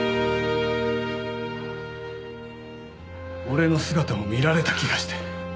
俺の姿を見られた気がして。